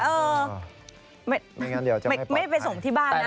ไม่ไปส่งที่บ้านนะ